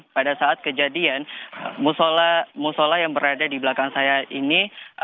pada saat kejadian musola musola yang berada di belakang saya ini